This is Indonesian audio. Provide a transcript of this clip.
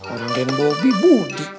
orang den bobi budi